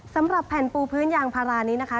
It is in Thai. สำหรับแผ่นปูพื้นยางพารานี้นะคะ